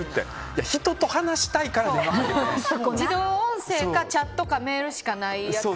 いや、人と話したいから自動音声かチャットかメールしかないやつ。